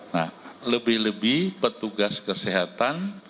nah lebih lebih petugas kesehatan